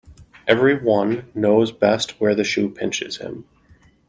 Every one knows best where the shoe pinches him.